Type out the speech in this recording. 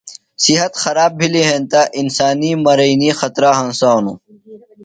صحت خراب بھلِیۡ ہینتہ انسانی مرینیۡ خطرہ ہنسانوۡ۔